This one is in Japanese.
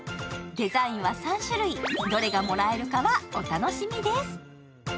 デザインは３種類、どれがもらえるかはお楽しみです。